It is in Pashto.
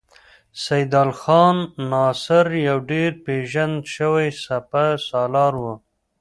سیدال خان ناصر یو ډېر پیژندل شوی سپه سالار و.